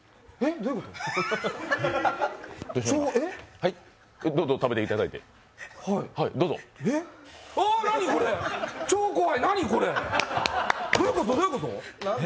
どういうこと、どういうこと？